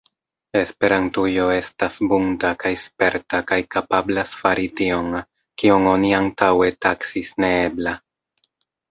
Esperantujo estas bunta kaj sperta kaj kapablas fari tion, kion oni antaŭe taksis neebla.